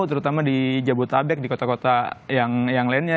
terutama di jabodetabek di kota kota yang lainnya